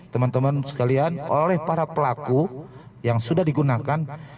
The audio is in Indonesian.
teman teman sekalian oleh para pelaku yang sudah digunakan